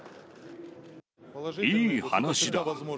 いい話だ。